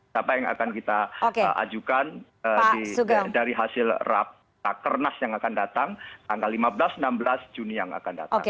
siapa yang akan kita ajukan dari hasil rakernas yang akan datang tanggal lima belas enam belas juni yang akan datang